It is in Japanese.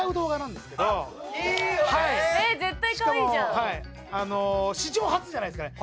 しかも史上初じゃないですかね。